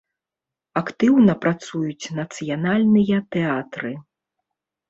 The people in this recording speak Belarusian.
Актыўна працуюць нацыянальныя тэатры.